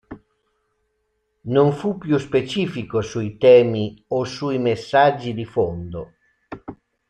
Non fu più specifico sui temi o sui messaggi di fondo.